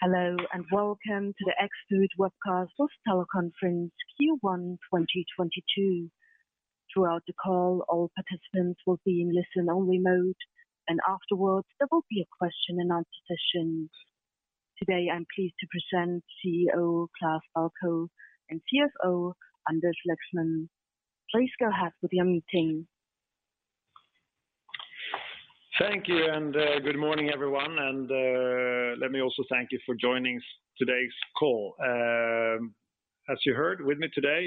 Hello, and welcome to the Axfood Webcast Host Teleconference Q1 2022. Throughout the call, all participants will be in listen-only mode, and afterwards there will be a question and answer session. Today, I'm pleased to present CEO Klas Balkow and CFO Anders Lexmon. Please go ahead with your meeting. Thank you, and good morning, everyone. Let me also thank you for joining today's call. As you heard, with me today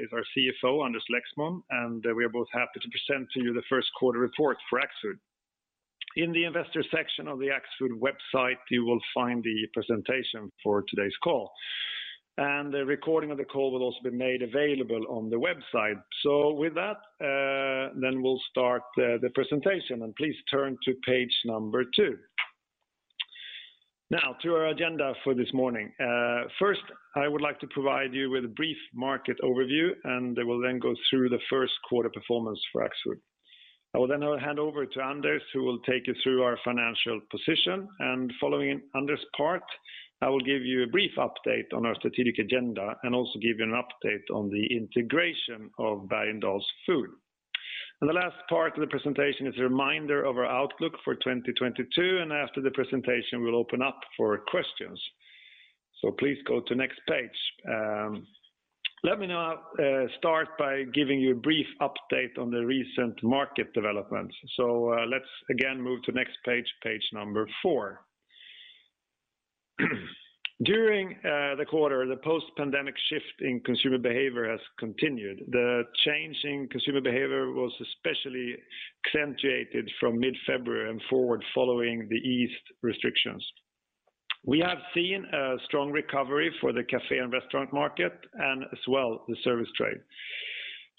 is our CFO, Anders Lexmon, and we are both happy to present to you the first quarter report for Axfood. In the investor section of the Axfood website, you will find the presentation for today's call. A recording of the call will also be made available on the website. With that, we'll start the presentation, and please turn to page number 2. Now, to our agenda for this morning. First, I would like to provide you with a brief market overview, and I will then go through the first quarter performance for Axfood. I will then hand over to Anders, who will take you through our financial position. Following Anders' part, I will give you a brief update on our strategic agenda and also give you an update on the integration of Bergendahls Food. The last part of the presentation is a reminder of our outlook for 2022, and after the presentation, we'll open up for questions. Please go to next page. Let me now start by giving you a brief update on the recent market developments. Let's again move to next page 4. During the quarter, the post-pandemic shift in consumer behavior has continued. The change in consumer behavior was especially accentuated from mid-February and forward following the easing restrictions. We have seen a strong recovery for the café and restaurant market and as well the service trade.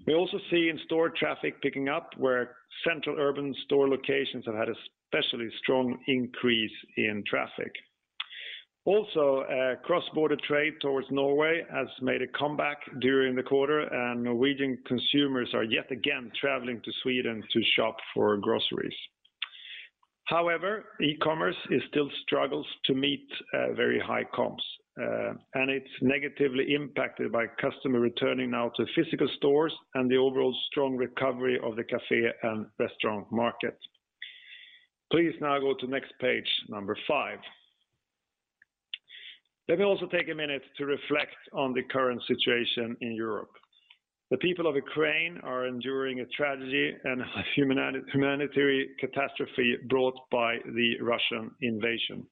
We also see in-store traffic picking up where central urban store locations have had especially strong increase in traffic. Cross-border trade towards Norway has made a comeback during the quarter, and Norwegian consumers are yet again traveling to Sweden to shop for groceries. However, e-commerce is still struggling to meet very high comps, and it's negatively impacted by customers returning now to physical stores and the overall strong recovery of the cafe and restaurant market. Please now go to next page, number five. Let me also take a minute to reflect on the current situation in Europe. The people of Ukraine are enduring a tragedy and a humanitarian catastrophe brought by the Russian invasion.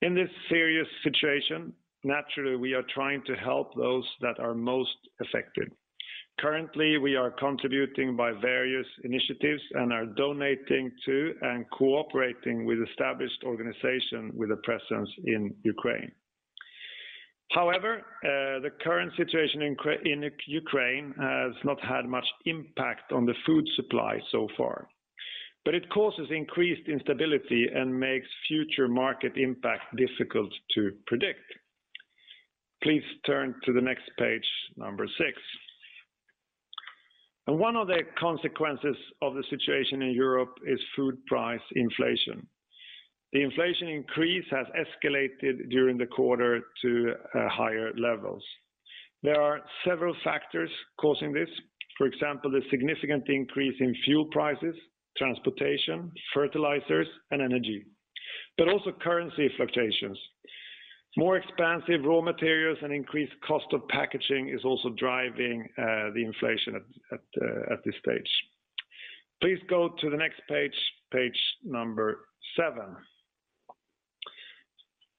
In this serious situation, naturally, we are trying to help those that are most affected. Currently, we are contributing by various initiatives and are donating to and cooperating with established organization with a presence in Ukraine. However, the current situation in Ukraine has not had much impact on the food supply so far. It causes increased instability and makes future market impact difficult to predict. Please turn to the next page, number 6. One of the consequences of the situation in Europe is food price inflation. The inflation increase has escalated during the quarter to higher levels. There are several factors causing this, for example, the significant increase in fuel prices, transportation, fertilizers, and energy, but also currency fluctuations. More expensive raw materials and increased cost of packaging is also driving the inflation at this stage. Please go to the next page number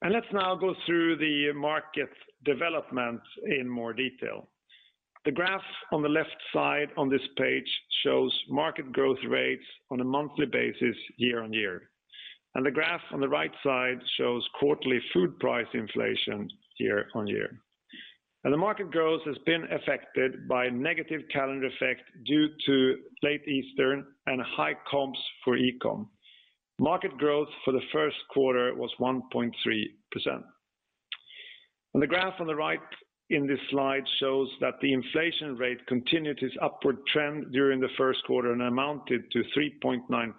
7. Let's now go through the market development in more detail. The graph on the left side on this page shows market growth rates on a monthly basis year-over-year. The graph on the right side shows quarterly food price inflation year-over-year. The market growth has been affected by negative calendar effect due to late Easter and high comps for e-com. Market growth for the first quarter was 1.3%. The graph on the right in this slide shows that the inflation rate continued its upward trend during the first quarter and amounted to 3.9%.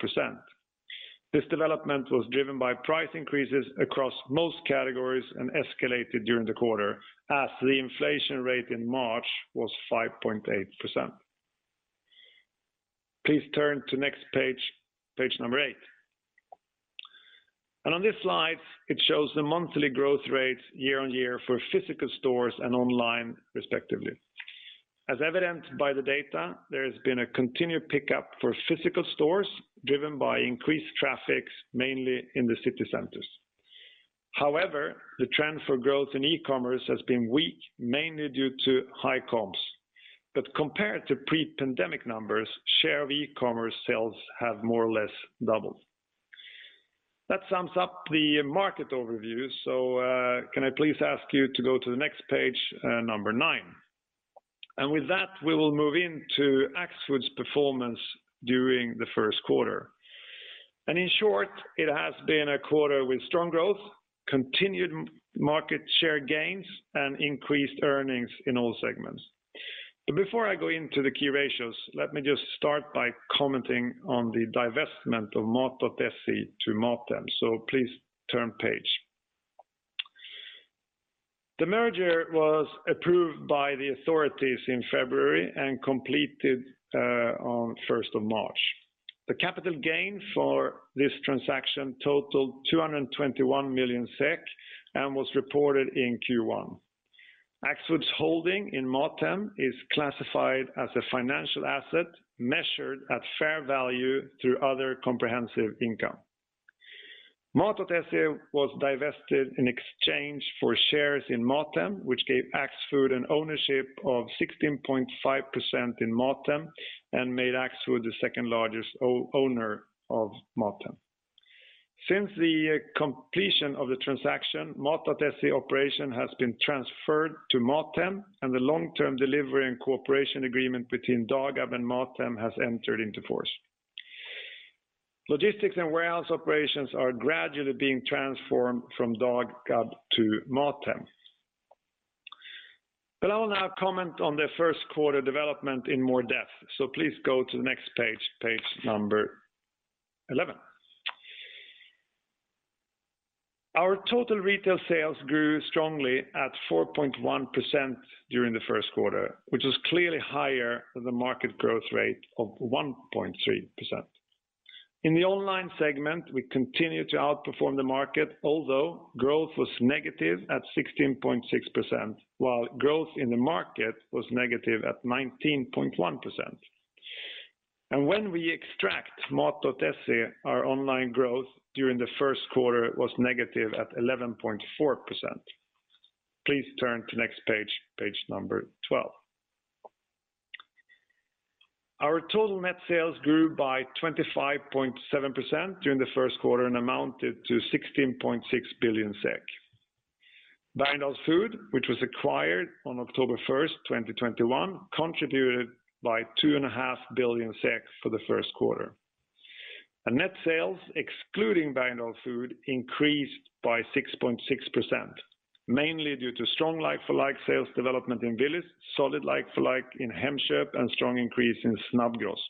This development was driven by price increases across most categories and escalated during the quarter as the inflation rate in March was 5.8%. Please turn to next page number eight. On this slide, it shows the monthly growth rates year-over-year for physical stores and online, respectively. As evidenced by the data, there has been a continued pickup for physical stores driven by increased traffic, mainly in the city centers. However, the trend for growth in e-commerce has been weak, mainly due to high comps. But compared to pre-pandemic numbers, share of e-commerce sales have more or less doubled. That sums up the market overview. Can I please ask you to go to the next page, number nine? With that, we will move into Axfood's performance during the first quarter. In short, it has been a quarter with strong growth, continued market share gains, and increased earnings in all segments. Before I go into the key ratios, let me just start by commenting on the divestment of Mat.se to Mathem, so please turn page. The merger was approved by the authorities in February and completed on the first of March. The capital gain for this transaction totaled 221 million SEK and was reported in Q1. Axfood's holding in Mathem is classified as a financial asset measured at fair value through other comprehensive income. Mat.se was divested in exchange for shares in Mathem, which gave Axfood an ownership of 16.5% in Mathem and made Axfood the second-largest owner of Mathem. Since the completion of the transaction, Mat.se operation has been transferred to Mathem, and the long-term delivery and cooperation agreement between Dagab and Mathem has entered into force. Logistics and warehouse operations are gradually being transformed from Dagab to Mathem. I will now comment on the first quarter development in more depth, so please go to the next page 11. Our total retail sales grew strongly at 4.1% during the first quarter, which is clearly higher than the market growth rate of 1.3%. In the online segment, we continue to outperform the market, although growth was negative at 16.6%, while growth in the market was negative at 19.1%. When we extract Mat.se, our online growth during the first quarter was negative at 11.4%. Please turn to next page 12. Our total net sales grew by 25.7% during the first quarter and amounted to 16.6 billion SEK. Bergendahls Food, which was acquired on October 1, 2021, contributed 2.5 billion SEK for the first quarter. Net sales, excluding Bergendahls Food, increased by 6.6%, mainly due to strong like-for-like sales development in Willys, solid like-for-like in Hemköp, and strong increase in Snabbgross.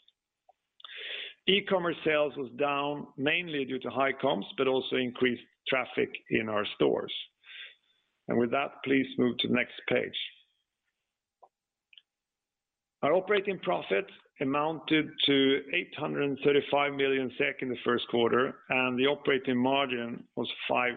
E-commerce sales was down mainly due to high comps but also increased traffic in our stores. With that, please move to the next page. Our operating profit amounted to 835 million SEK in the first quarter, and the operating margin was 5%.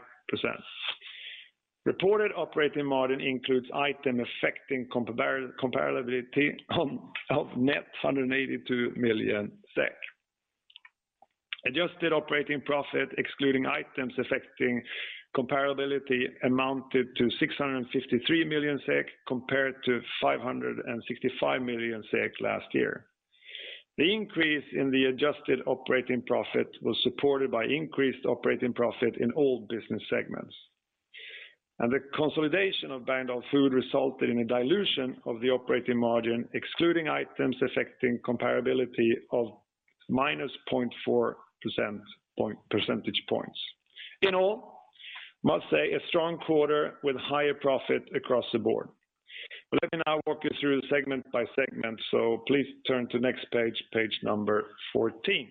Reported operating margin includes item affecting comparability of net 182 million SEK. Adjusted operating profit, excluding items affecting comparability, amounted to 653 million SEK compared to 565 million SEK last year. The increase in the adjusted operating profit was supported by increased operating profit in all business segments. The consolidation of Bergendahls Food resulted in a dilution of the operating margin, excluding items affecting comparability of -0.4 percentage points. In all, I must say a strong quarter with higher profit across the board. Let me now walk you through segment by segment, so please turn to next page 14.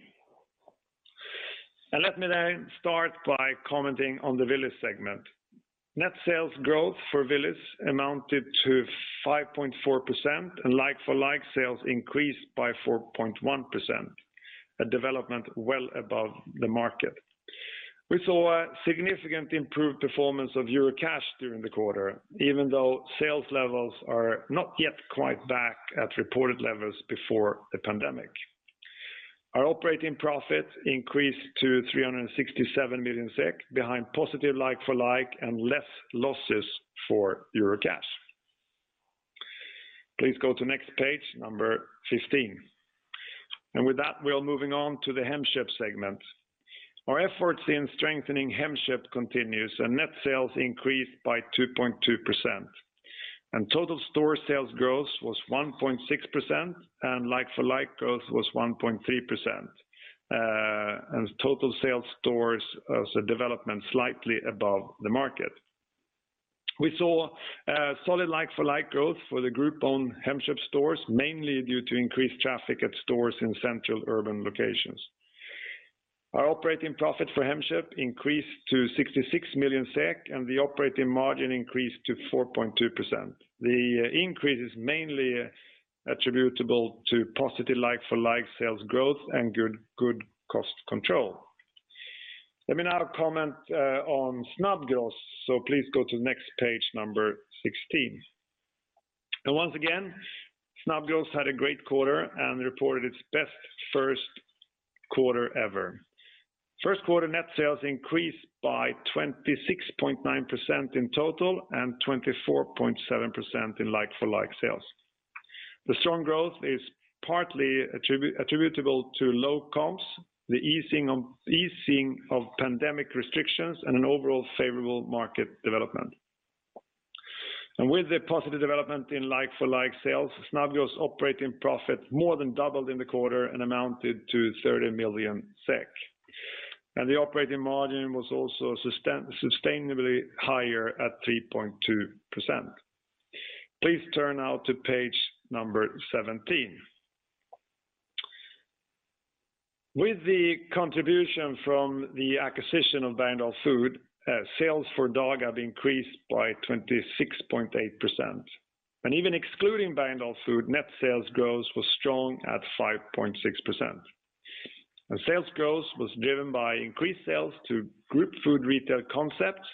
Let me then start by commenting on the Willys segment. Net sales growth for Willys amounted to 5.4%, and like-for-like sales increased by 4.1%, a development well above the market. We saw a significant improved performance of Eurocash during the quarter, even though sales levels are not yet quite back at reported levels before the pandemic. Our operating profit increased to 367 million SEK behind positive like-for-like and less losses for Eurocash. Please go to next page, 15. With that, we are moving on to the Hemköp segment. Our efforts in strengthening Hemköp continues, and net sales increased by 2.2%. Total store sales growth was 1.6%, and like-for-like growth was 1.3%. Total sales stores as a development slightly above the market. We saw a solid like-for-like growth for the group on Hemköp stores, mainly due to increased traffic at stores in central urban locations. Our operating profit for Hemköp increased to 66 million SEK, and the operating margin increased to 4.2%. The increase is mainly attributable to positive like-for-like sales growth and good cost control. Let me now comment on Snabbgross, so please go to next page, number 16. Once again, Snabbgross had a great quarter and reported its best first quarter ever. First quarter net sales increased by 26.9% in total and 24.7% in like-for-like sales. The strong growth is partly attributable to low comps, the easing of pandemic restrictions, and an overall favorable market development. With the positive development in like-for-like sales, Snabbgross operating profit more than doubled in the quarter and amounted to 30 million SEK. The operating margin was also sustainably higher at 3.2%. Please turn now to page number 17. With the contribution from the acquisition of Bergendahls Food, sales for Dagab increased by 26.8%. Even excluding Bergendahls Food, net sales growth was strong at 5.6%. The sales growth was driven by increased sales to group food retail concepts,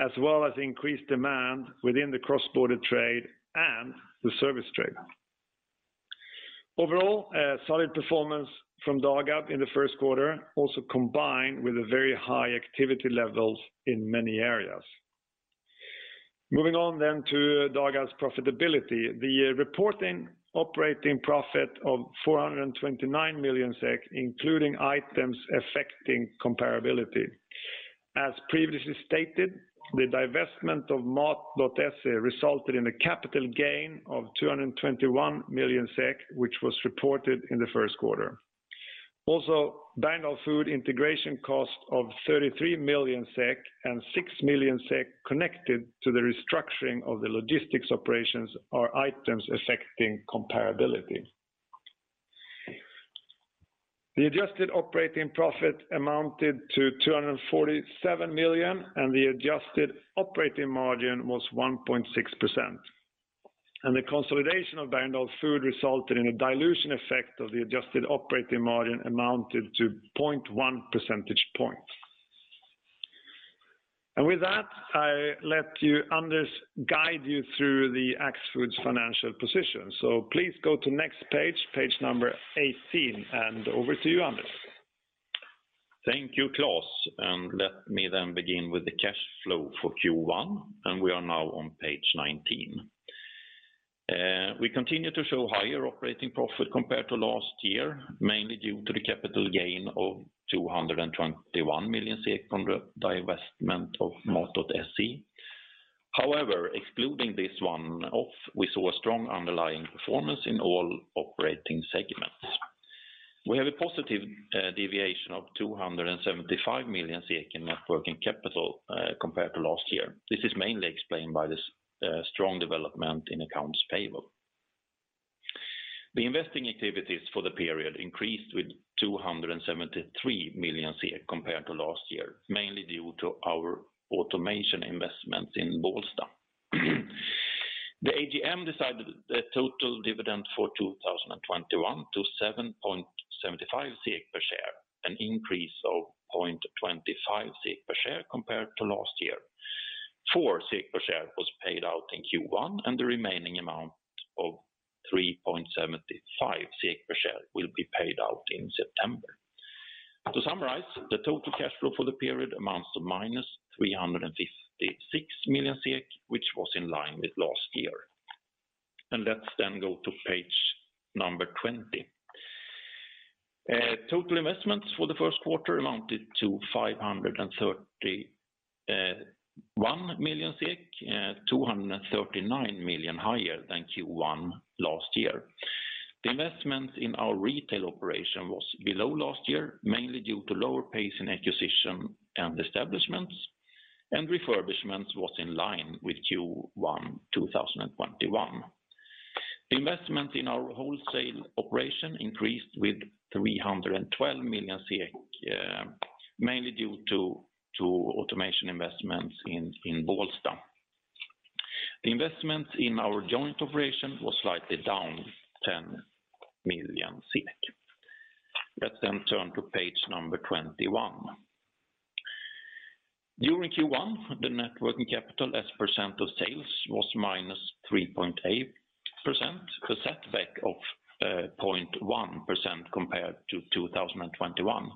as well as increased demand within the cross-border trade and the service trade. Overall, a solid performance from Dagab in the first quarter also combined with a very high activity levels in many areas. Moving on to Dagab's profitability. The reporting operating profit of 429 million SEK, including items affecting comparability. As previously stated, the divestment of Mat.se resulted in a capital gain of 221 million SEK, which was reported in the first quarter. Also, Bergendahls Food integration cost of 33 million SEK and 6 million SEK connected to the restructuring of the logistics operations are items affecting comparability. The adjusted operating profit amounted to 247 million, and the adjusted operating margin was 1.6%. The consolidation of Bergendahls Food resulted in a dilution effect of the adjusted operating margin amounted to 0.1 percentage point. With that, I let you, Anders, guide you through Axfood's financial position. Please go to next page 18, and over to you, Anders. Thank you, Klas. Let me begin with the cash flow for Q1, and we are now on page 19. We continue to show higher operating profit compared to last year, mainly due to the capital gain of 221 million SEK from the divestment of Mat.se. However, excluding this one off, we saw a strong underlying performance in all operating segments. We have a positive deviation of 275 million in net working capital compared to last year. This is mainly explained by this strong development in accounts payable. The investing activities for the period increased with 273 million compared to last year, mainly due to our automation investments in Bålsta. The AGM decided the total dividend for 2021 to 7.75 per share, an increase of 0.25 per share compared to last year. 4 per share was paid out in Q1, and the remaining amount of 3.75 per share will be paid out in September. To summarize, the total cash flow for the period amounts to -356 million SEK, which was in line with last year. Let's then go to page 20. Total investments for the first quarter amounted to 531 million, 239 million higher than Q1 last year. The investment in our retail operation was below last year, mainly due to lower pace in acquisition and establishments, and refurbishments was in line with Q1 2021. Investment in our wholesale operation increased with 312 million, mainly due to automation investments in Bålsta. The investment in our joint operation was slightly down 10 million. Let's turn to page 21. During Q1, the net working capital as % of sales was -3.8%, a setback of 0.1% compared to 2021.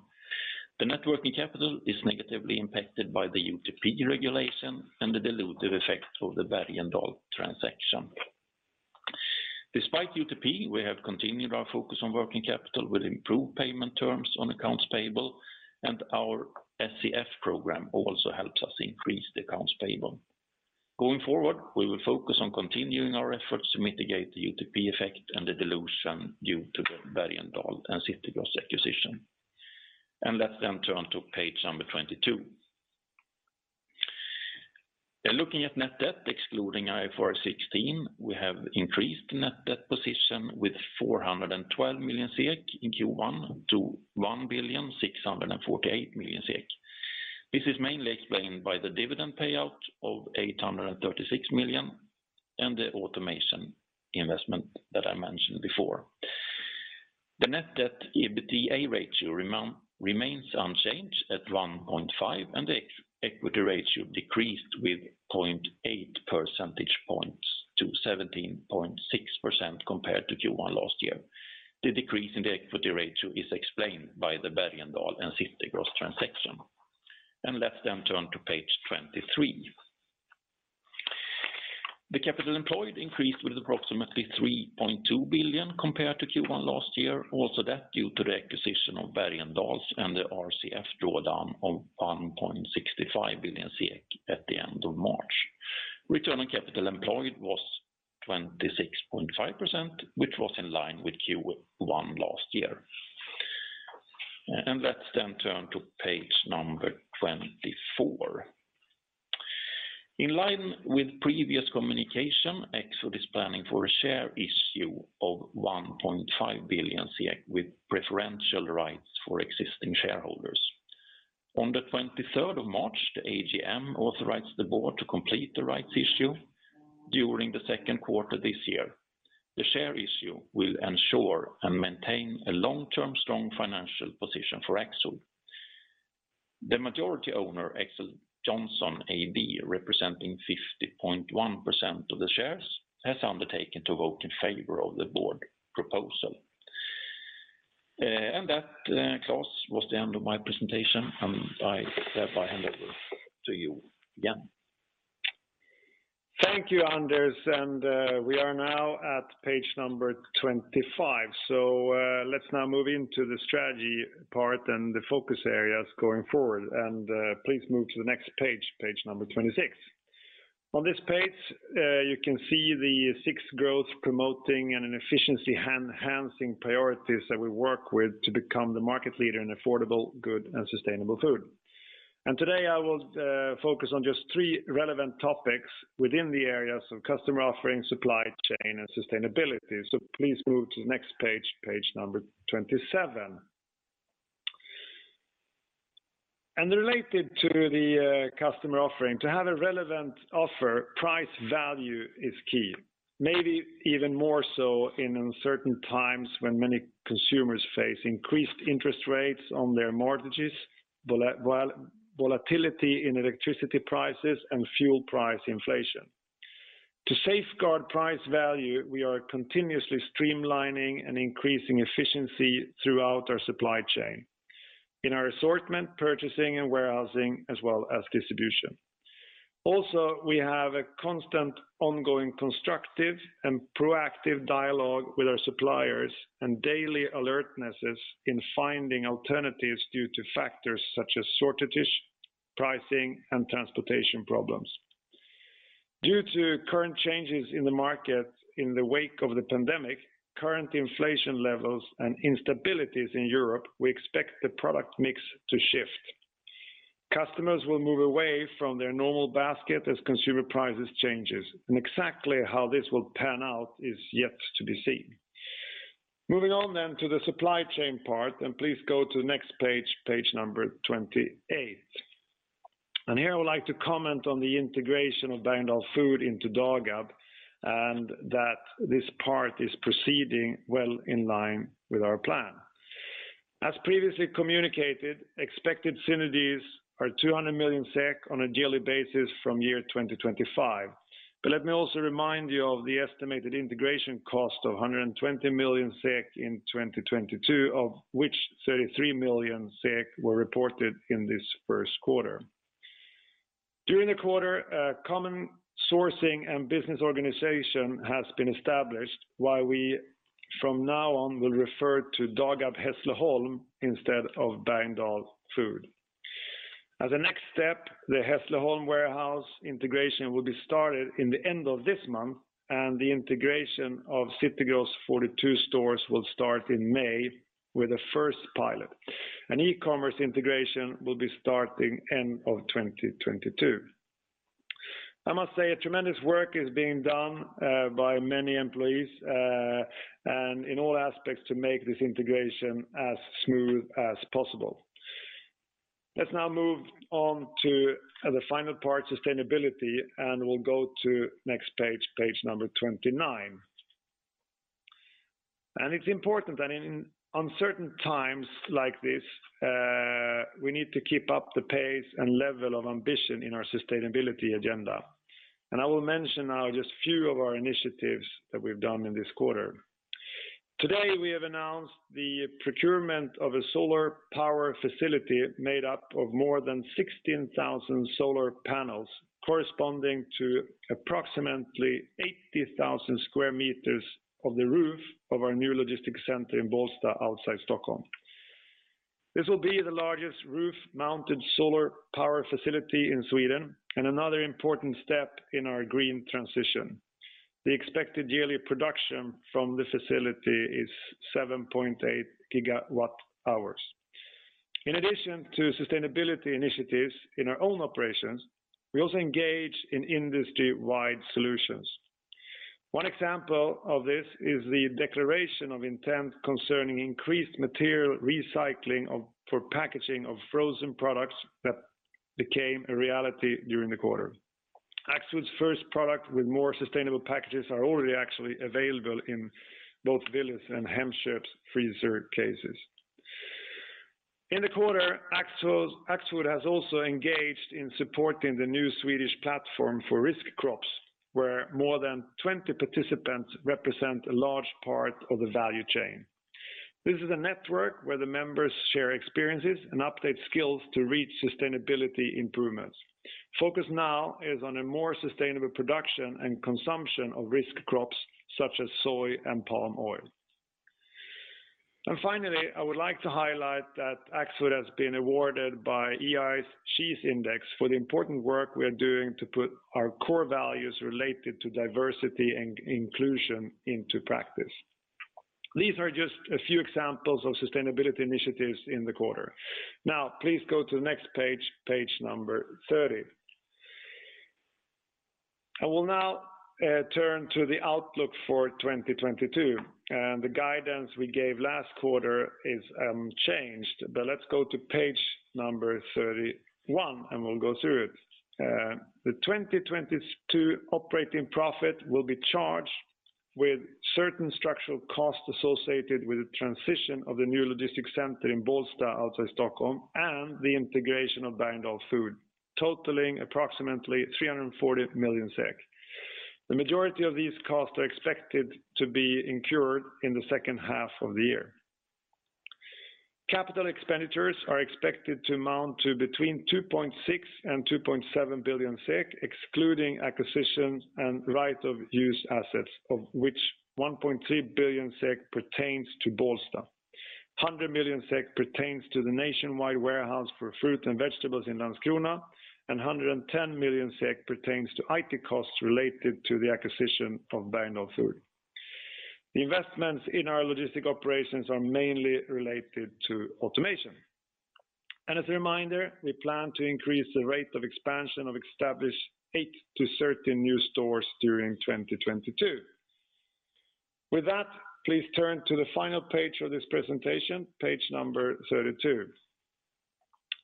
The net working capital is negatively impacted by the UTP regulation and the dilutive effect of the Bergendahls transaction. Despite UTP, we have continued our focus on working capital with improved payment terms on accounts payable, and our SCF program also helps us increase the accounts payable. Going forward, we will focus on continuing our efforts to mitigate the UTP effect and the dilution due to the Bergendahls and City Gross acquisition. Let's then turn to page 22. Looking at net debt, excluding IFRS 16, we have increased net debt position with 412 million SEK in Q1 to 1,648 million SEK. This is mainly explained by the dividend payout of 836 million and the automation investment that I mentioned before. The net debt EBITDA ratio remains unchanged at 1.5, and the equity ratio decreased with 0.8 percentage points to 17.6% compared to Q1 last year. The decrease in the equity ratio is explained by the Bergendahls and City Gross transaction. Let's then turn to page 23. The capital employed increased with approximately 3.2 billion compared to Q1 last year, also that due to the acquisition of Bergendahls and the RCF drawdown of 1.65 billion at the end of March. Return on capital employed was 26.5%, which was in line with Q1 last year. Let's then turn to page 24. In line with previous communication, Axfood is planning for a share issue of 1.5 billion with preferential rights for existing shareholders. On the 23rd of March, the AGM authorized the board to complete the rights issue during the second quarter this year. The share issue will ensure and maintain a long-term strong financial position for Axfood. The majority owner, Axel Johnson AB, representing 50.1% of the shares, has undertaken to vote in favor of the board proposal. That, Klas, was the end of my presentation, and I thereby hand over to you again. Thank you, Anders, we are now at page 25. Let's now move into the strategy part and the focus areas going forward. Please move to the next page 26. On this page, you can see the six growth promoting and inefficiency enhancing priorities that we work with to become the market leader in affordable, good, and sustainable food. Today, I will focus on just three relevant topics within the areas of customer offering, supply chain, and sustainability. Please move to the next page 27. Related to the customer offering, to have a relevant offer, price value is key. Maybe even more so in uncertain times when many consumers face increased interest rates on their mortgages, volatility in electricity prices, and fuel price inflation. To safeguard price value, we are continuously streamlining and increasing efficiency throughout our supply chain, in our assortment, purchasing, and warehousing, as well as distribution. Also, we have a constant ongoing constructive and proactive dialogue with our suppliers and daily alertnesses in finding alternatives due to factors such as shortages, pricing, and transportation problems. Due to current changes in the market in the wake of the pandemic, current inflation levels, and instabilities in Europe, we expect the product mix to shift. Customers will move away from their normal basket as consumer prices changes, and exactly how this will pan out is yet to be seen. Moving on then to the supply chain part, and please go to the next page number 28. Here, I would like to comment on the integration of Bergendahls Food into Dagab, and that this part is proceeding well in line with our plan. As previously communicated, expected synergies are 200 million SEK on a yearly basis from year 2025. Let me also remind you of the estimated integration cost of 120 million SEK in 2022, of which 33 million SEK were reported in this first quarter. During the quarter, a common sourcing and business organization has been established, while we from now on will refer to Dagab Hässleholm instead of Bergendahls Food. As a next step, the Hässleholm warehouse integration will be started in the end of this month, and the integration of City Gross 42 stores will start in May with the first pilot. An e-commerce integration will be starting end of 2022. I must say a tremendous work is being done by many employees and in all aspects to make this integration as smooth as possible. Let's now move on to the final part, sustainability, and we'll go to next page 29. It's important that in uncertain times like this, we need to keep up the pace and level of ambition in our sustainability agenda. I will mention now just few of our initiatives that we've done in this quarter. Today, we have announced the procurement of a solar power facility made up of more than 16,000 solar panels, corresponding to approximately 80,000 sq m of the roof of our new logistic center in Bålsta, outside Stockholm. This will be the largest roof-mounted solar power facility in Sweden and another important step in our green transition. The expected yearly production from the facility is 7.8 GWh. In addition to sustainability initiatives in our own operations, we also engage in industry-wide solutions. One example of this is the declaration of intent concerning increased material recycling of, for packaging of frozen products that became a reality during the quarter. Axfood's first product with more sustainable packages are already actually available in both Willys and Hemköp's freezer cases. In the quarter, Axfood has also engaged in supporting the new Swedish platform for risk crops, where more than 20 participants represent a large part of the value chain. This is a network where the members share experiences and update skills to reach sustainability improvements. Focus now is on a more sustainable production and consumption of risk crops such as soy and palm oil. Finally, I would like to highlight that Axfood has been awarded by EY She Index for the important work we are doing to put our core values related to diversity and inclusion into practice. These are just a few examples of sustainability initiatives in the quarter. Now please go to the next page 30. I will now turn to the outlook for 2022, and the guidance we gave last quarter is changed. Let's go to page 31, and we'll go through it. The 2022 operating profit will be charged with certain structural costs associated with the transition of the new logistics center in Bålsta outside Stockholm and the integration of Bergendahls Food, totaling approximately 340 million SEK. The majority of these costs are expected to be incurred in the second half of the year. Capital expenditures are expected to amount to between 2.6 billion and 2.7 billion SEK, excluding acquisitions and right-of-use assets, of which 1.3 billion SEK pertains to Bålsta. 100 million SEK pertains to the nationwide warehouse for fruit and vegetables in Landskrona, and 110 million SEK pertains to IT costs related to the acquisition of Bergendahls Food. The investments in our logistics operations are mainly related to automation. As a reminder, we plan to increase the rate of expansion to establish 8-13 new stores during 2022. With that, please turn to the final page of this presentation, page number 32.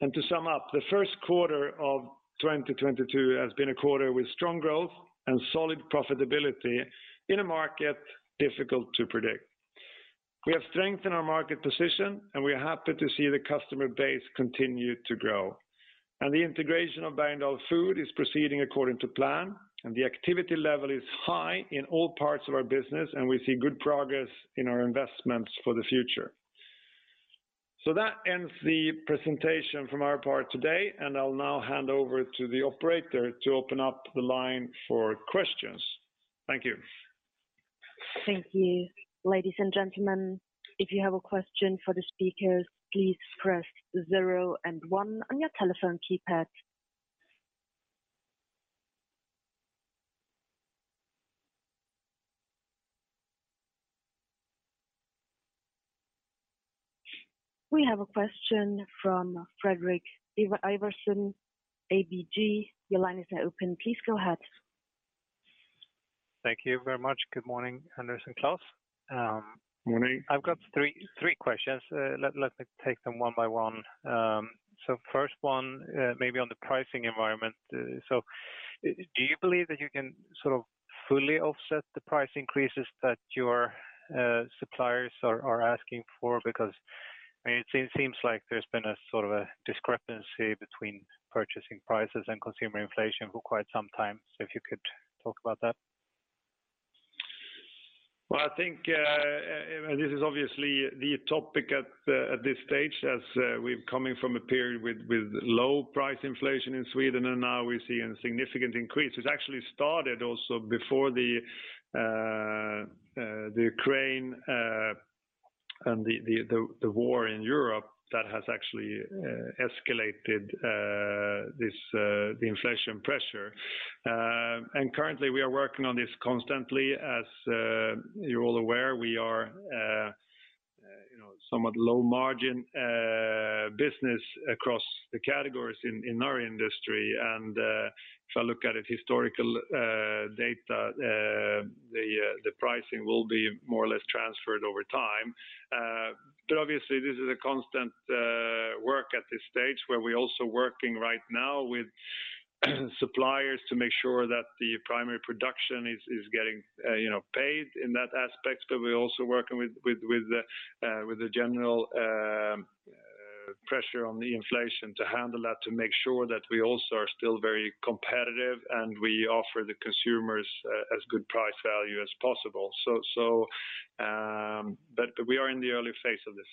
To sum up, the first quarter of 2022 has been a quarter with strong growth and solid profitability in a market difficult to predict. We have strengthened our market position, and we are happy to see the customer base continue to grow. The integration of Bergendahls Food is proceeding according to plan, and the activity level is high in all parts of our business, and we see good progress in our investments for the future. That ends the presentation from our part today, and I'll now hand over to the operator to open up the line for questions. Thank you. Thank you. Ladies and gentlemen, if you have a question for the speakers, please press zero and one on your telephone keypad. We have a question from Fredrik Ivarsson, ABG. Your line is now open. Please go ahead. Thank you very much. Good morning, Anders and Klas Morning. I've got three questions. Let me take them one by one. First one, maybe on the pricing environment. Do you believe that you can sort of fully offset the price increases that your suppliers are asking for? Because, I mean, it seems like there's been a sort of a discrepancy between purchasing prices and consumer inflation for quite some time. If you could talk about that. Well, I think this is obviously the topic at this stage as we're coming from a period with low price inflation in Sweden, and now we're seeing a significant increase. It's actually started also before the Ukraine and the war in Europe that has actually escalated this inflation pressure. Currently we are working on this constantly. As you're all aware, we are, you know, somewhat low margin business across the categories in our industry. If I look at historical data, the pricing will be more or less transferred over time. Obviously this is a constant work at this stage where we're also working right now with suppliers to make sure that the primary production is getting, you know, paid in that aspect. We're also working with the general pressure on the inflation to handle that to make sure that we also are still very competitive, and we offer the consumers as good price value as possible. We are in the early phase of this.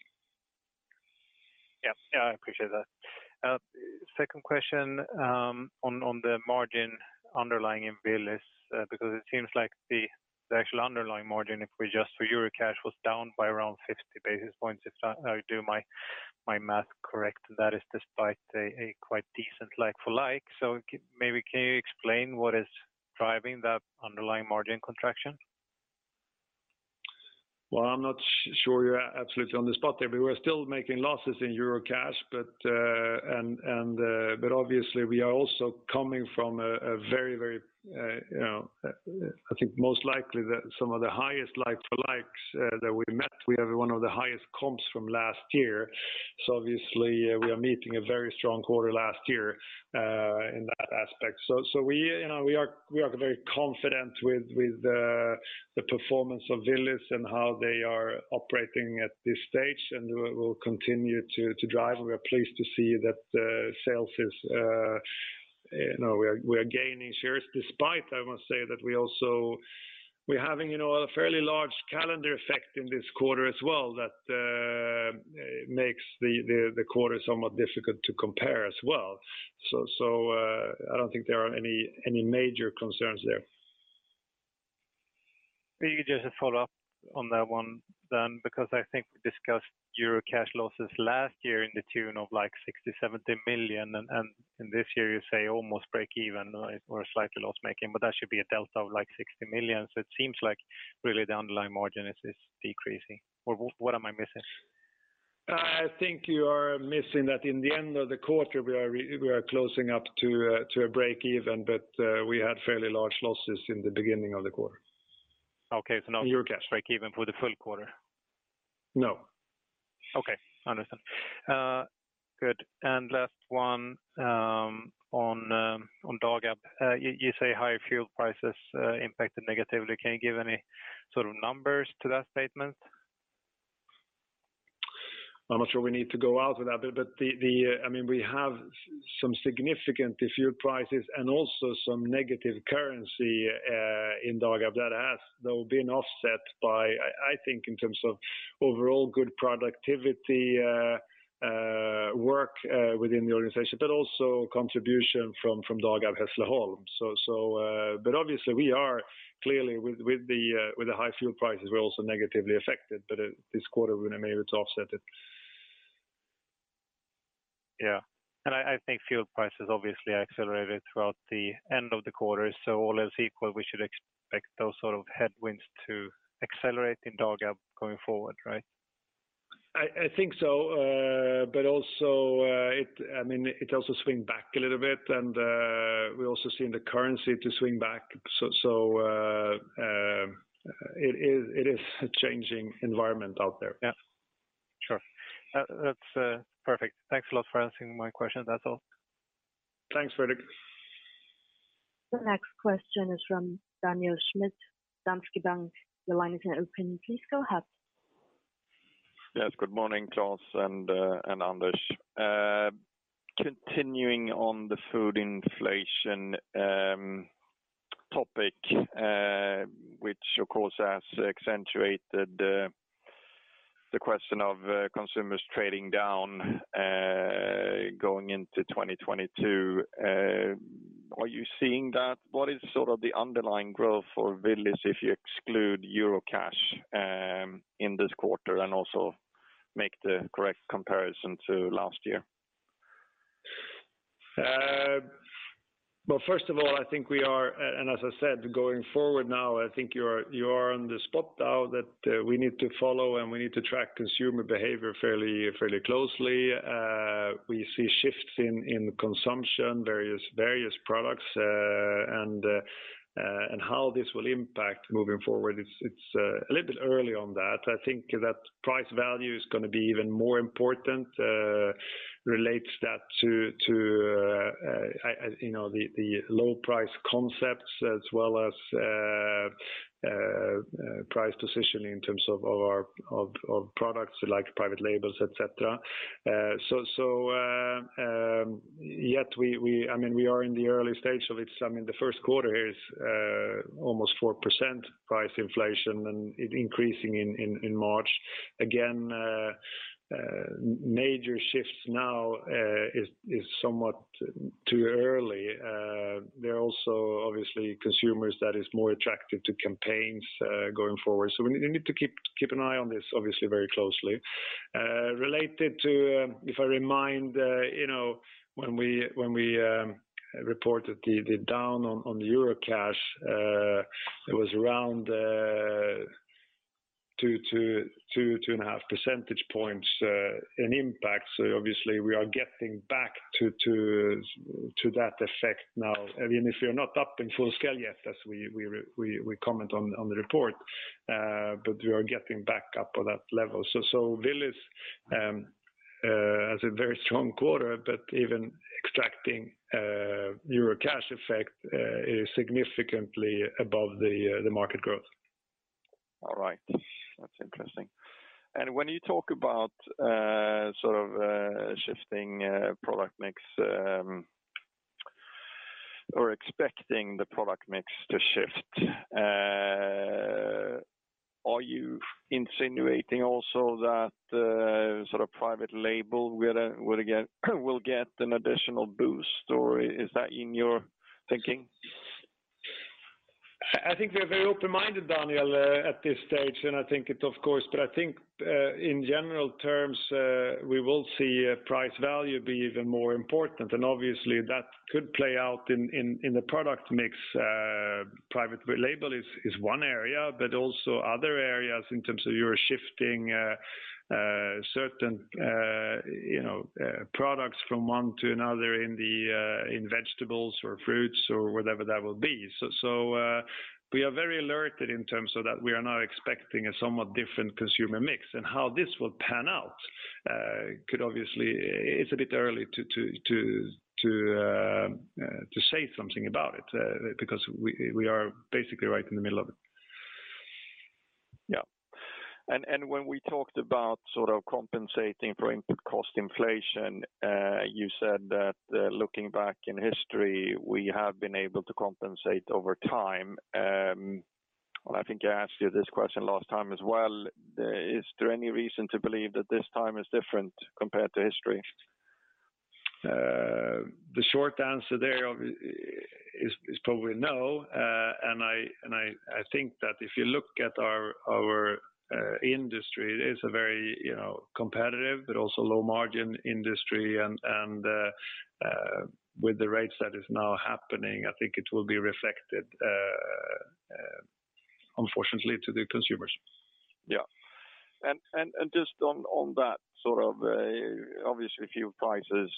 Yeah. Yeah, I appreciate that. Second question, on the underlying margin in Willys, because it seems like the actual underlying margin, if we adjust for Eurocash, was down by around 50 basis points, if I do my math correct. That is despite a quite decent like-for-like. Maybe can you explain what is driving that underlying margin contraction? Well, I'm not sure you're absolutely on the spot there, but we're still making losses in Eurocash. Obviously we are also coming from a very very you know I think most likely some of the highest like-for-likes that we met. We have one of the highest comps from last year. Obviously we are meeting a very strong quarter last year in that aspect. We you know we are very confident with the performance of Willys and how they are operating at this stage, and we will continue to drive. We are pleased to see that sales is, you know, we are gaining shares despite, I must say that we also are having, you know, a fairly large calendar effect in this quarter as well that makes the quarter somewhat difficult to compare as well. I don't think there are any major concerns there. Maybe just a follow-up on that one then because I think we discussed Eurocash losses last year in the tune of like 60 million-70 million and in this year you say almost breakeven or slightly loss-making, but that should be a delta of like 60 million. It seems like really the underlying margin is decreasing. Or what am I missing? I think you are missing that in the end of the quarter we are closing up to a breakeven, but we had fairly large losses in the beginning of the quarter. Okay. Not breakeven for the full quarter? No. Okay. Understand. Good. Last one, on Dagab. You say higher fuel prices impacted negatively. Can you give any sort of numbers to that statement? I'm not sure we need to go out with that, but I mean, we have some significant fuel prices and also some negative currency in Dagab that has, though, been offset by, I think in terms of overall good productivity work within the organization, but also contribution from Dagab Hässleholm. Obviously we are clearly with the high fuel prices, we're also negatively affected, but this quarter we were able to offset it. Yeah. I think fuel prices obviously accelerated throughout the end of the quarter. All else equal, we should expect those sort of headwinds to accelerate in Dagab going forward, right? I think so. Also, I mean, it also swing back a little bit and, we also seen the currency to swing back. It is a changing environment out there. Yeah. Sure. That's perfect. Thanks a lot for answering my questions. That's all. Thanks, Fredrik. The next question is from Daniel Schmidt, Danske Bank. Your line is now open. Please go ahead. Yes. Good morning, Klas and Anders. Continuing on the food inflation topic, which of course has accentuated the question of consumers trading down, going into 2022. Are you seeing that? What is sort of the underlying growth for Willys if you exclude Eurocash in this quarter and also make the correct comparison to last year? Well, first of all, I think as I said, going forward now, I think you are on the spot now that we need to follow and we need to track consumer behavior fairly closely. We see shifts in consumption, various products, and how this will impact moving forward. It's a little bit early on that. I think that price value is gonna be even more important, relates that to you know, the low price concepts as well as price positioning in terms of our products like private labels, et cetera. Yet we, I mean, we are in the early stage of it. I mean, the first quarter here is almost 4% price inflation and it increasing in March. Again, major shifts now is somewhat too early. There are also obviously consumers that is more attracted to campaigns going forward. We need to keep an eye on this obviously very closely. Related to, as a reminder, you know, when we reported the downturn on Eurocash, it was around 2-2.5 percentage points in impact. Obviously we are getting back to that effect now. I mean, if you're not up in full scale yet as we comment on the report, but we are getting back up on that level. Willys has a very strong quarter, but even extracting Eurocash effect is significantly above the market growth. All right. That's interesting. When you talk about sort of shifting product mix or expecting the product mix to shift, are you insinuating also that sort of private label will get an additional boost, or is that in your thinking? I think we are very open-minded, Daniel, at this stage, and I think, of course. I think, in general terms, we will see price value be even more important. Obviously that could play out in the product mix. Private label is one area, but also other areas in terms of you're shifting certain, you know, products from one to another in the vegetables or fruits or whatever that will be. We are very alert in terms of that we are now expecting a somewhat different consumer mix. How this will pan out could obviously. It's a bit early to say something about it, because we are basically right in the middle of it. Yeah. When we talked about sort of compensating for input cost inflation, you said that, looking back in history, we have been able to compensate over time. I think I asked you this question last time as well. Is there any reason to believe that this time is different compared to history? The short answer there is probably no. I think that if you look at our industry it is a very, you know, competitive but also low margin industry and with the rates that is now happening, I think it will be reflected unfortunately to the consumers. Just on that sort of, obviously fuel prices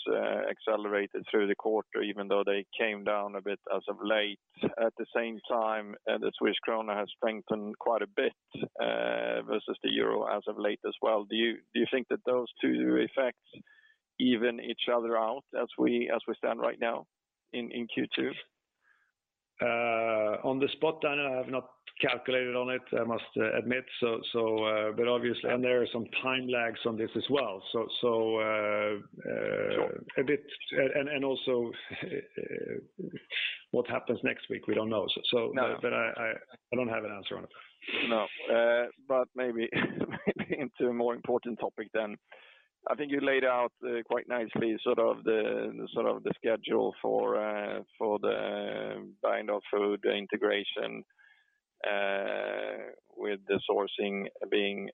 accelerated through the quarter even though they came down a bit as of late. At the same time, the Swedish krona has strengthened quite a bit versus the euro as of late as well. Do you think that those two effects even each other out as we stand right now in Q2? On the spot, Daniel, I have not calculated on it, I must admit, but obviously there are some time lags on this as well. Sure a bit. Also, what happens next week? We don't know. No I don't have an answer on it. No. Maybe into a more important topic then. I think you laid out quite nicely sort of the schedule for the buying of food, the integration with the sourcing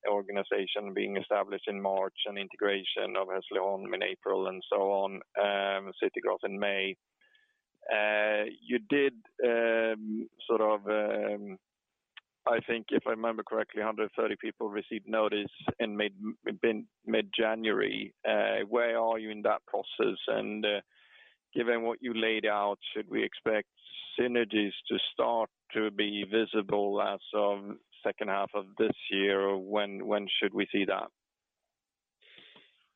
organization being established in March and integration obviously in April and so on, City Gross in May. You did sort of, I think if I remember correctly, 130 people received notice in mid-January. Where are you in that process? Given what you laid out, should we expect synergies to start to be visible as of second half of this year? Or when should we see that?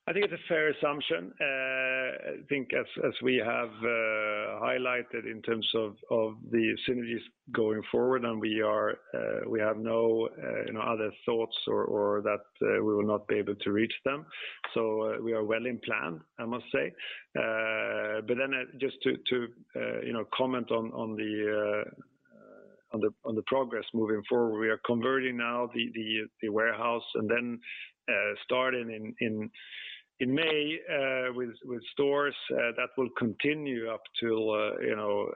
I think it's a fair assumption. I think as we have highlighted in terms of the synergies going forward and we have no, you know, other thoughts or that we will not be able to reach them. We are well in plan, I must say. Just to, you know, comment on the progress moving forward, we are converting now the warehouse and then starting in May with stores that will continue up till, you know,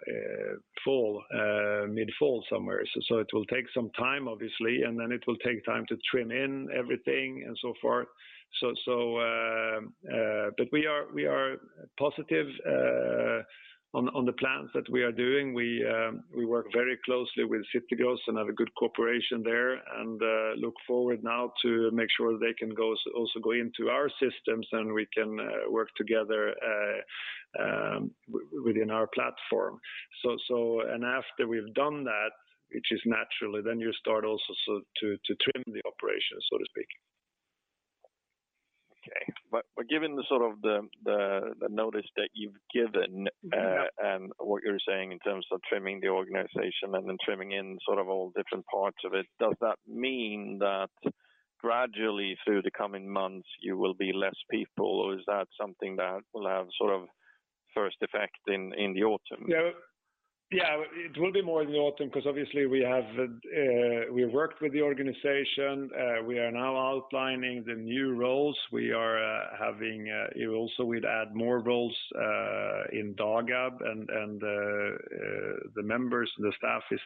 mid-fall somewhere. It will take some time obviously, and then it will take time to trim in everything and so forth. We are positive on the plans that we are doing. We work very closely with City Gross and have a good cooperation there, and look forward now to make sure they can also go into our systems and we can work together within our platform. After we've done that, which is naturally, then you start also to trim the operation, so to speak. Given the notice that you've given. Mm-hmm What you're saying in terms of trimming the organization and then trimming in sort of all different parts of it, does that mean that gradually through the coming months you will be less people? Or is that something that will have sort of first effect in the autumn? No. Yeah, it will be more in the autumn 'cause obviously we have worked with the organization. We are now outlining the new roles. We are having, you know, so we'd add more roles in Dagab and the members, the staff is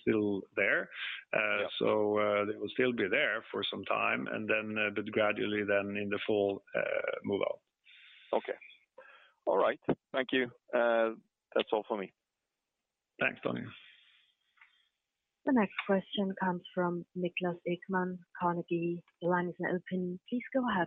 still there. Yeah. They will still be there for some time, and then, but gradually then in the fall, move out. Okay. All right. Thank you. That's all for me. Thanks, Daniel. The next question comes from Niklas Ekman, Carnegie. The line is now open. Please go ahead.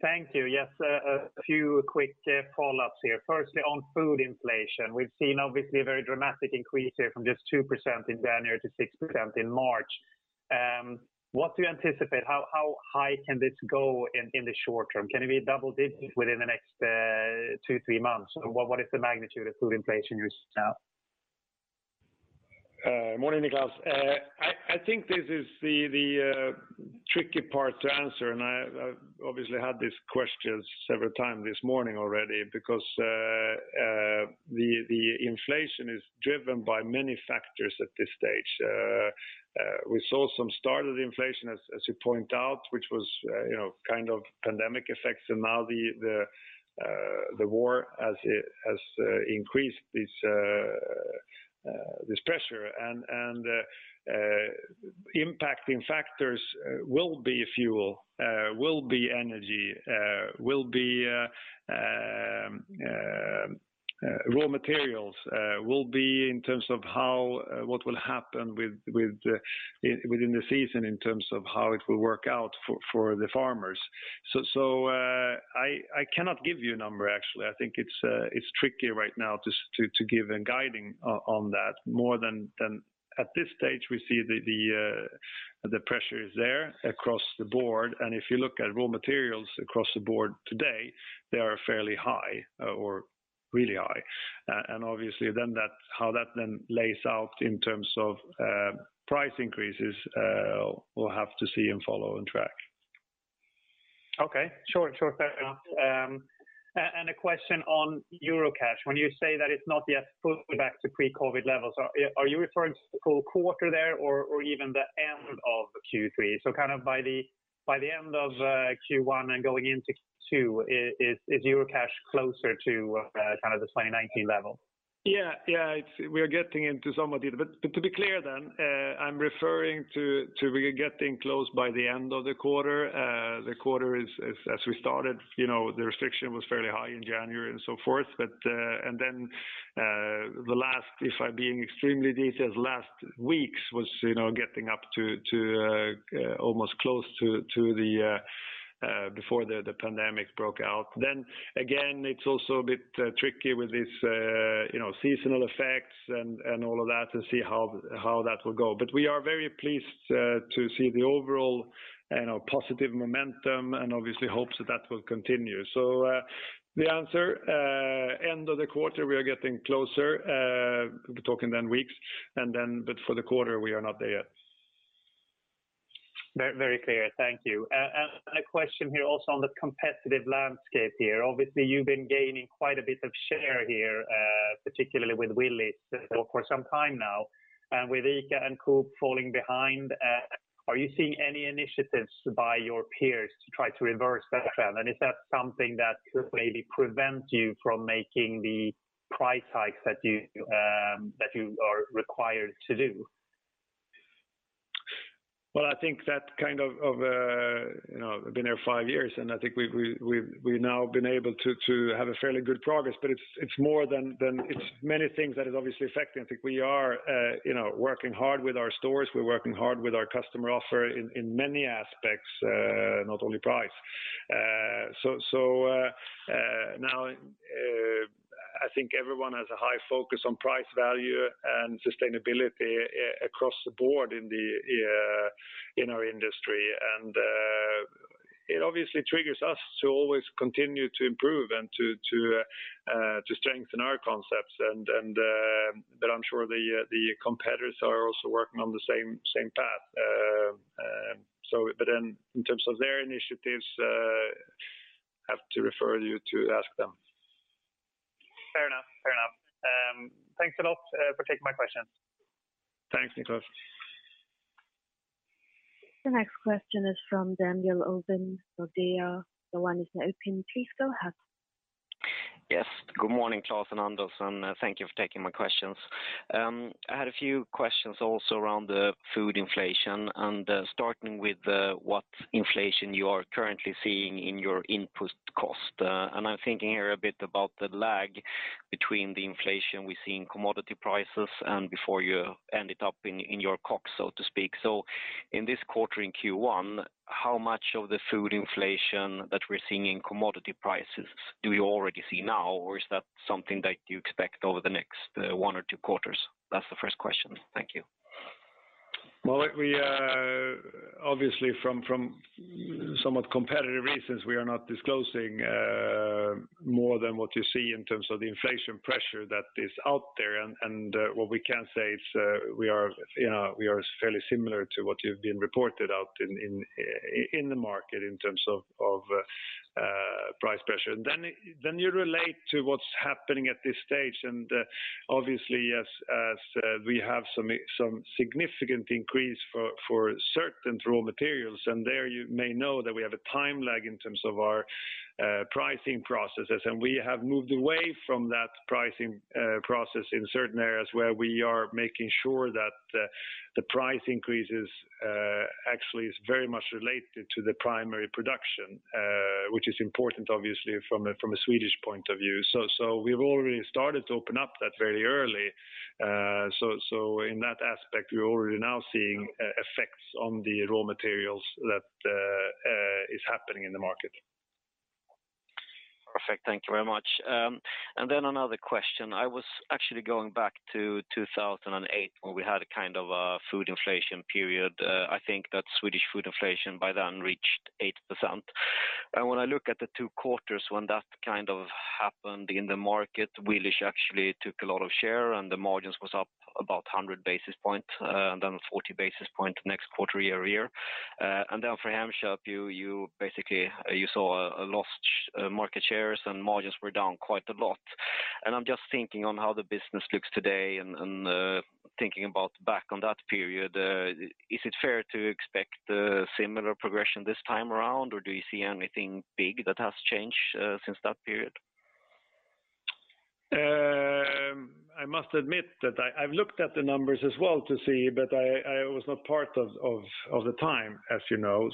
Thank you. Yes, a few quick follow-ups here. Firstly, on food inflation, we've seen obviously a very dramatic increase here from just 2% in January to 6% in March. What do you anticipate? How high can this go in the short term? Can it be double digits within the next two, three months? What is the magnitude of food inflation you see now? Morning, Niklas. I think this is the tricky part to answer, and I've obviously had this question several times this morning already because the inflation is driven by many factors at this stage. We saw some start of the inflation as you point out, which was, you know, kind of pandemic effects and now the war has increased this pressure. Impacting factors will be fuel, will be energy, will be raw materials, will be in terms of how what will happen with within the season in terms of how it will work out for the farmers. I cannot give you a number actually. I think it's trickier right now to give guidance on that more than. At this stage we see the pressure is there across the board, and if you look at raw materials across the board today, they are fairly high or really high. Obviously then that how that then lays out in terms of price increases, we'll have to see and follow and track. Okay. Sure. Sure. Fair enough. And a question on Eurocash. When you say that it's not yet fully back to pre-COVID levels, are you referring to the full quarter there or even the end of Q3? Kind of by the end of Q1 and going into Q2, is Eurocash closer to kind of the 2019 level? Yeah, yeah, we are getting into some of it. To be clear then, I'm referring to we are getting close by the end of the quarter. The quarter is as we started, you know, the restriction was fairly high in January and so forth. The last few weeks, if I'm being extremely detailed, was, you know, getting up to almost close to the before the pandemic broke out. Again, it's also a bit tricky with this, you know, seasonal effects and all of that to see how that will go. We are very pleased to see the overall, you know, positive momentum and obviously hope that that will continue. The answer, end of the quarter, we are getting closer. We're talking ten weeks, but for the quarter, we are not there yet. Very clear. Thank you. A question here also on the competitive landscape here. Obviously, you've been gaining quite a bit of share here, particularly with Willys for some time now and with ICA and Coop falling behind. Are you seeing any initiatives by your peers to try to reverse that trend? Is that something that could maybe prevent you from making the price hikes that you are required to do? Well, I think that kind of you know been there five years, and I think we've now been able to have a fairly good progress. It's more than it's many things that is obviously affecting. I think we are you know working hard with our stores. We're working hard with our customer offer in many aspects not only price. Now I think everyone has a high focus on price value and sustainability across the board in our industry. I'm sure the competitors are also working on the same path. In terms of their initiatives, I have to refer you to ask them. Fair enough. Thanks a lot for taking my questions. Thanks, Niklas. The next question is from Daniel Olovsson of DNB. The line is now open. Please go ahead. Yes. Good morning, Klas and Anders. Thank you for taking my questions. I had a few questions also around the food inflation and, starting with, what inflation you are currently seeing in your input cost. I'm thinking here a bit about the lag between the inflation we see in commodity prices and before you end up in your COGS, so to speak. In this quarter, in Q1, how much of the food inflation that we're seeing in commodity prices do you already see now, or is that something that you expect over the next, one or two quarters? That's the first question. Thank you. Well, we are obviously from somewhat competitive reasons, we are not disclosing more than what you see in terms of the inflation pressure that is out there. What we can say is, we are, you know, we are fairly similar to what you've been reported out in the market in terms of price pressure. You relate to what's happening at this stage. Obviously as we have some significant increase for certain raw materials, and there you may know that we have a time lag in terms of our pricing processes. We have moved away from that pricing process in certain areas where we are making sure that the price increases actually is very much related to the primary production which is important obviously from a Swedish point of view. We've already started to open up that very early. In that aspect, we're already now seeing effects on the raw materials that is happening in the market. Perfect. Thank you very much. Then another question. I was actually going back to 2008 when we had a kind of a food inflation period. I think that Swedish food inflation by then reached 8%. When I look at the two quarters when that kind of happened in the market, Willys actually took a lot of share and the margins was up about 100 basis points, then 40 basis points next quarter year-over-year. For Hemköp, you basically saw a loss of market shares and margins were down quite a lot. I'm just thinking about how the business looks today and thinking about back on that period. Is it fair to expect a similar progression this time around, or do you see anything big that has changed since that period? I must admit that I've looked at the numbers as well to see, but I was not part of the time, as you know.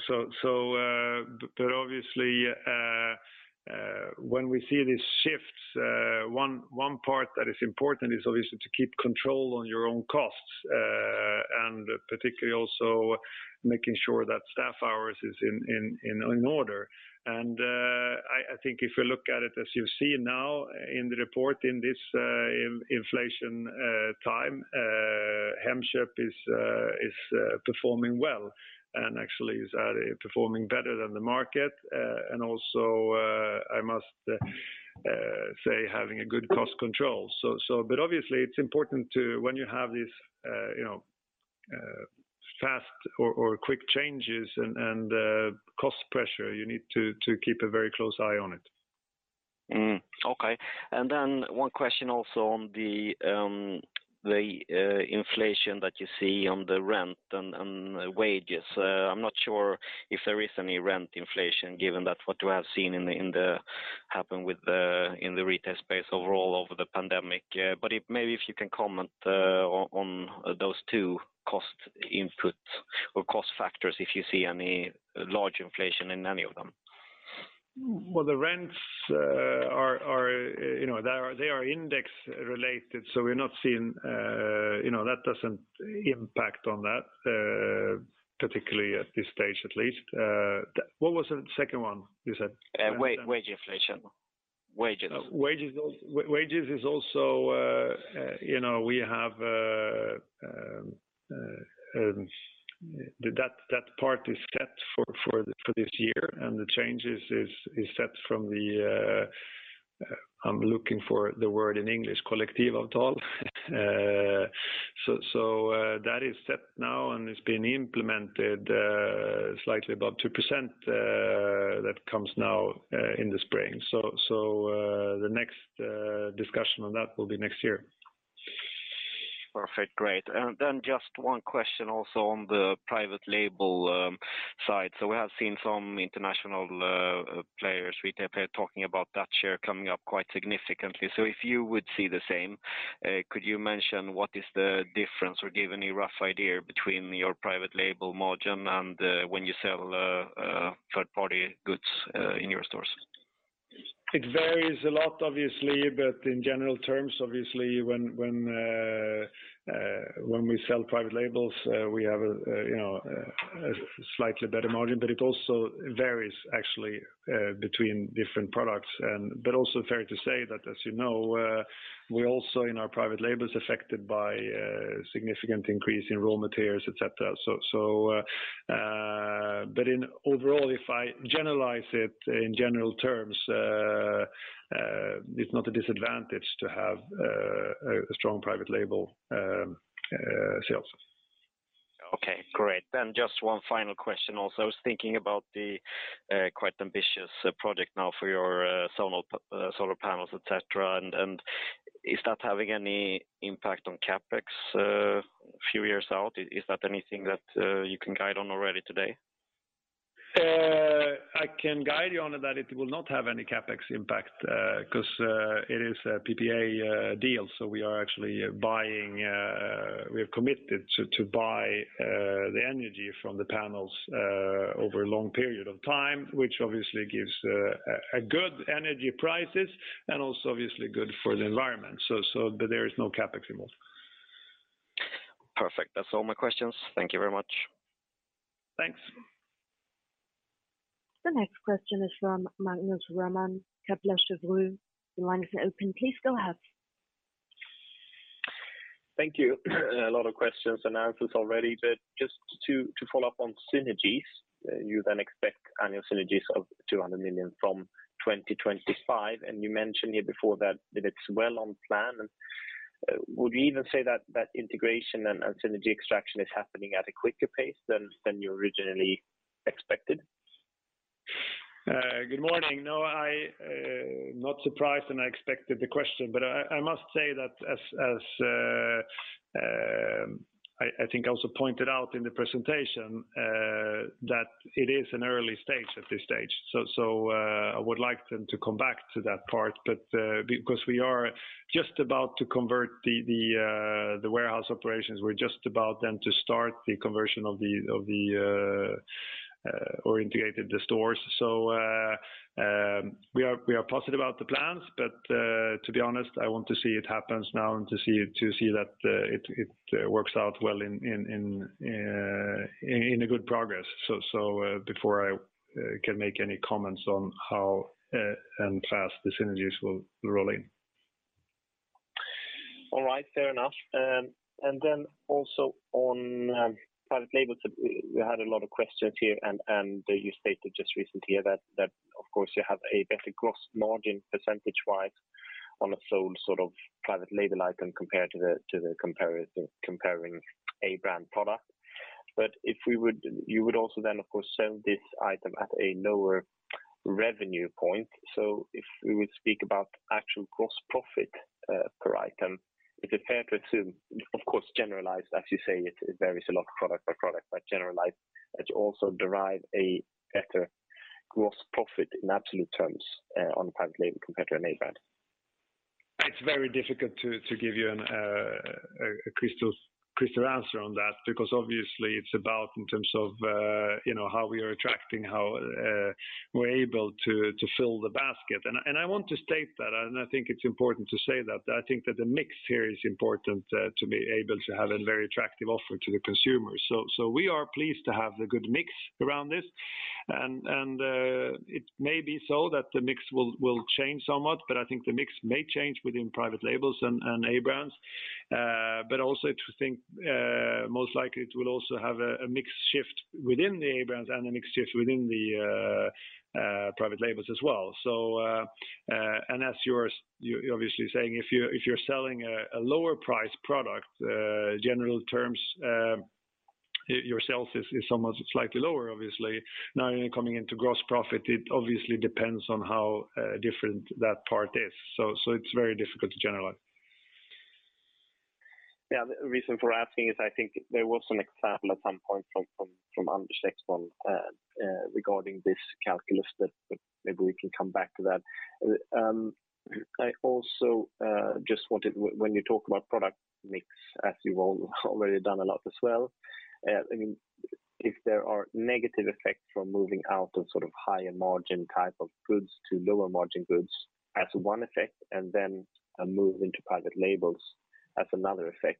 Obviously, when we see these shifts, one part that is important is obviously to keep control on your own costs, and particularly also making sure that staff hours is in order. I think if you look at it as you see now in the report in this inflation time, Hemköp is performing well and actually is performing better than the market. Also, I must say having a good cost control. Obviously it's important to when you have these, you know, fast or quick changes and cost pressure, you need to keep a very close eye on it. One question also on the inflation that you see on the rent and wages. I'm not sure if there is any rent inflation given that what you have seen in the retail space overall over the pandemic. If maybe you can comment on those two cost inputs or cost factors, if you see any large inflation in any of them. Well, the rents are, you know, they are index related, so we're not seeing, you know, that doesn't impact on that, particularly at this stage at least. What was the second one you said? Wage inflation. Wages. Wages, all wages is also, you know, we have that part is set for this year, and the changes is set from the, I'm looking for the word in English, kollektivavtal. That is set now, and it's been implemented, slightly above 2% that comes now in the spring. The next discussion on that will be next year. Perfect. Great. Then just one question also on the private label side. We have seen some international players, retail players talking about that share coming up quite significantly. If you would see the same, could you mention what is the difference or give any rough idea between your private label margin and when you sell third-party goods in your stores? It varies a lot obviously, but in general terms, obviously, when we sell private labels, we have a, you know, a slightly better margin, but it also varies actually between different products. Also fair to say that as you know, we also in our private label is affected by significant increase in raw materials, et cetera. Overall, if I generalize it in general terms, it's not a disadvantage to have a strong private label sales. Okay, great. Just one final question also. I was thinking about the quite ambitious project now for your solar panels, et cetera. Is that having any impact on CapEx, few years out? Is that anything that you can guide on already today? I can guide you on that it will not have any CapEx impact, because it is a PPA deal. We have committed to buy the energy from the panels over a long period of time, which obviously gives a good energy prices and also obviously good for the environment. There is no CapEx involved. Perfect. That's all my questions. Thank you very much. Thanks. The next question is from Magnus Råman, Kepler Cheuvreux. Your line is open. Please go ahead. Thank you. A lot of questions and answers already, but just to follow up on synergies, you then expect annual synergies of 200 million from 2025. You mentioned here before that it's well on plan. Would you even say that integration and synergy extraction is happening at a quicker pace than you originally expected? Good morning. I am not surprised, and I expected the question, but I must say that as I think I also pointed out in the presentation, that it is an early stage at this stage. I would like then to come back to that part. Because we are just about to convert the warehouse operations, we are just about to start the conversion of the stores and integrate the stores. We are positive about the plans, but to be honest, I want to see it happen now and to see that it works out well in good progress. Before I can make any comments on how and fast the synergies will roll in. All right. Fair enough. Then also on private labels, we had a lot of questions here and you stated just recently that of course you have a better gross margin percentage-wise on a sold sort of private label item compared to the comparable A brand product. But you would also then of course sell this item at a lower revenue point. If we would speak about actual gross profit per item, is it fair to assume, of course generalized, as you say, it varies a lot product by product, but generalized, it also derive a better gross profit in absolute terms on private label compared to an A brand? It's very difficult to give you a crystal answer on that because obviously it's about in terms of you know how we are attracting how we're able to fill the basket. I want to state that, and I think it's important to say that I think that the mix here is important to be able to have a very attractive offer to the consumers. We are pleased to have the good mix around this. It may be so that the mix will change somewhat, but I think the mix may change within private labels and A brands. But also to think most likely it will also have a mix shift within the A brands and a mix shift within the private labels as well. As you're obviously saying, if you're selling a lower price product, general terms, your sales is almost slightly lower obviously. Now you're coming into gross profit, it obviously depends on how different that part is. It's very difficult to generalize. Yeah. The reason for asking is I think there was an example at some point from Anders Lexmon regarding this calculus that maybe we can come back to that. I also just wanted, when you talk about product mix as you've all already done a lot as well, I mean, if there are negative effects from moving out of sort of higher margin type of goods to lower margin goods as one effect and then a move into private labels as another effect.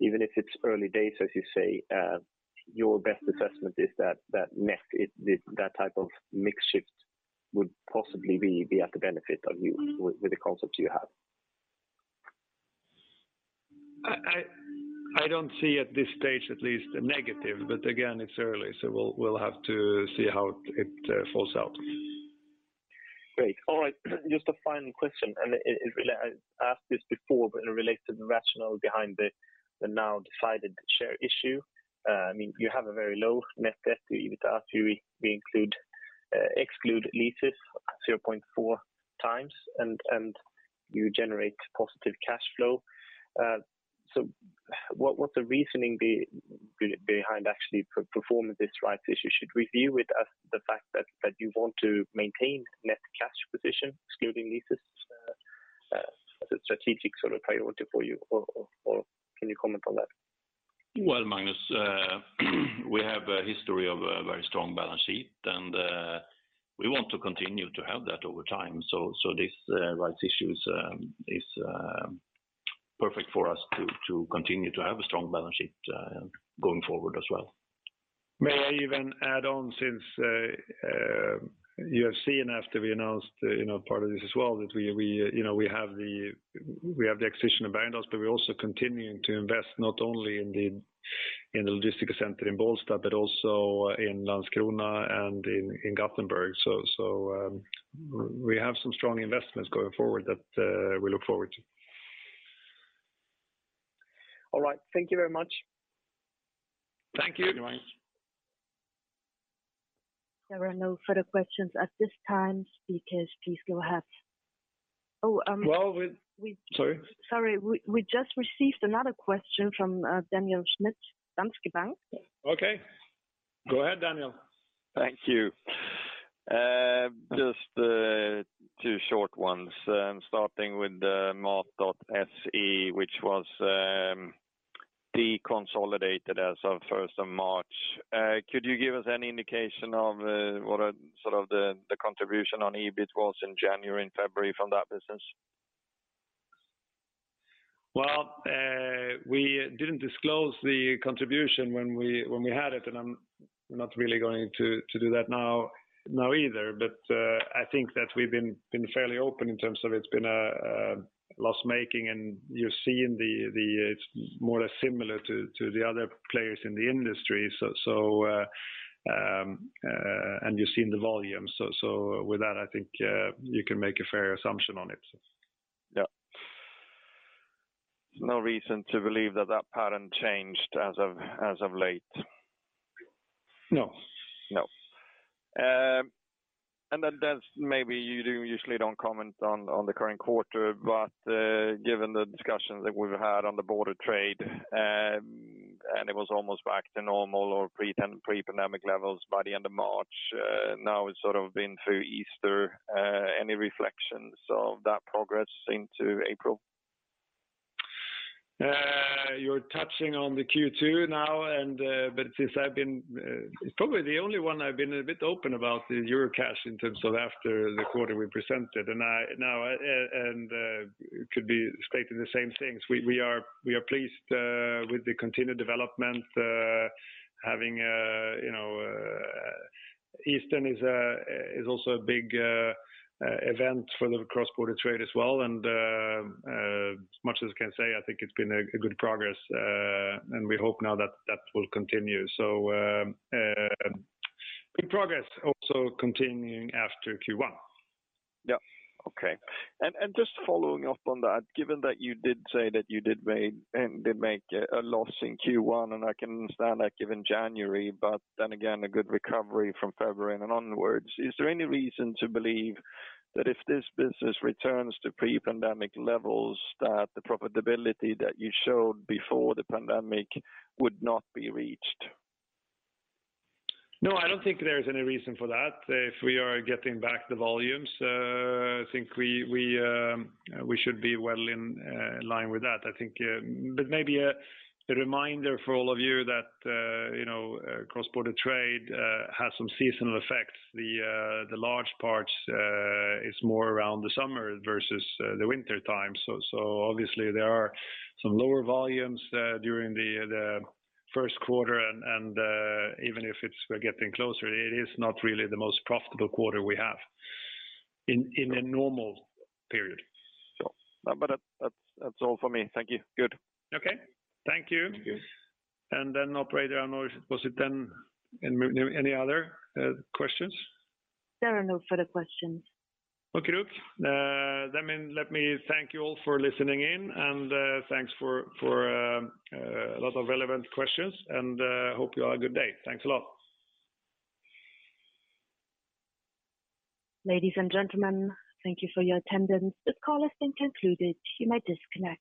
Even if it's early days, as you say, your best assessment is that that type of mix shift would possibly be at the benefit of you with the concepts you have? I don't see at this stage at least a negative, but again, it's early, so we'll have to see how it falls out. Great. All right. Just a final question. I asked this before, but it relates to the rationale behind the now decided share issue. I mean, you have a very low net debt to EBITDA if we exclude leases at 0.4x and you generate positive cash flow. So what is the reasoning behind actually performing this rights issue? Should we view it as the fact that you want to maintain net cash position excluding leases as a strategic sort of priority for you or can you comment on that? Well, Magnus, we have a history of a very strong balance sheet and we want to continue to have that over time. This rights issue is perfect for us to continue to have a strong balance sheet going forward as well. May I even add on since you have seen after we announced, you know, part of this as well, that we have the acquisition of Bergendahls, but we're also continuing to invest not only in the logistic center in Bålsta but also in Landskrona and in Gothenburg. We have some strong investments going forward that we look forward to. All right. Thank you very much. Thank you. Thank you, Magnus. There are no further questions at this time. Speakers, please go ahead. Well. We- Sorry. Sorry. We just received another question from Daniel Schmidt, Danske Bank. Okay. Go ahead, Daniel. Thank you. Just two short ones. Starting with the Mat.se, which was deconsolidated as of first of March. Could you give us any indication of what sort of the contribution on EBIT was in January and February from that business? Well, we didn't disclose the contribution when we had it, and I'm not really going to do that now either. I think that we've been fairly open in terms of it's been a loss-making, and you're seeing it's more or less similar to the other players in the industry, and you've seen the volume. With that, I think you can make a fair assumption on it. Yeah. No reason to believe that that pattern changed as of late? No. No. That's maybe you usually don't comment on the current quarter, but given the discussions that we've had on the border trade, it was almost back to normal or pre-pandemic levels by the end of March. Now it's sort of been through Easter. Any reflections of that progress into April? You're touching on the Q2 now, but it's probably the only one I've been a bit open about is your cash in terms of after the quarter we presented. I could be stating the same things. We are pleased with the continued development. Having you know Easter is also a big event for the cross-border trade as well. As much as I can say, I think it's been a good progress. We hope now that that will continue. Good progress also continuing after Q1. Just following up on that, given that you did say that you did make a loss in Q1, and I can understand that given January, but then again, a good recovery from February and onward. Is there any reason to believe that if this business returns to pre-pandemic levels, that the profitability that you showed before the pandemic would not be reached? No, I don't think there is any reason for that. If we are getting back the volumes, I think we should be well in line with that. I think maybe a reminder for all of you that you know cross-border trade has some seasonal effects. The large parts is more around the summer versus the winter time. Obviously there are some lower volumes during the first quarter and even if we're getting closer, it is not really the most profitable quarter we have in a normal period. That's all for me. Thank you. Good. Okay. Thank you. Thank you. Operator, any other questions? There are no further questions. Okey-doke. Let me thank you all for listening in, and thanks for a lot of relevant questions. Hope you all have a good day. Thanks a lot. Ladies and gentlemen, thank you for your attendance. This call has been concluded. You may disconnect.